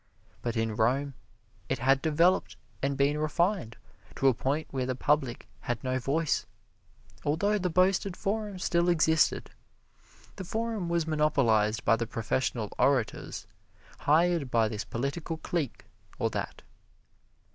But in Rome it had developed and been refined to a point where the public had no voice, although the boasted forum still existed. The forum was monopolized by the professional orators hired by this political clique or that.